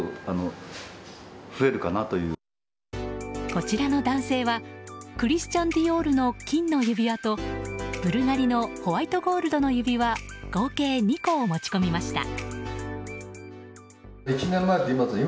こちらの男性はクリスチャンディオールの金の指輪とブルガリのホワイトゴールドの指輪合計２個を持ち込みました。